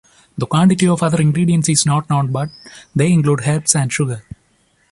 The quantity of other ingredients is not known but they include herbs and sugar.